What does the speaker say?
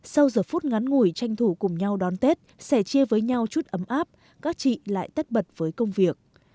sau giờ phút ngắn ngủi tranh thủ cùng nhau đón tết sẻ chia với nhau chút ấm áp các chị lại tất bật với công việc